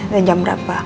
dan jam berapa